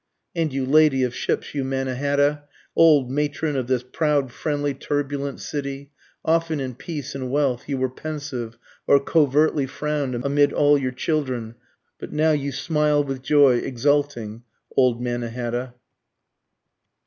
And you lady of ships, you Mannahatta, Old matron of this proud, friendly, turbulent city, Often in peace and wealth you were pensive or covertly frown'd amid all your children, But now you smile with joy exulting old Mannahatta.